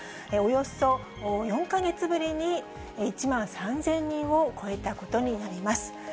およそ４か月ぶりに１万３０００人を超えたことになります。